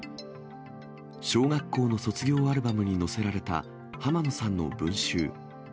小学校の卒業アルバムに載せられた浜野さんの文集。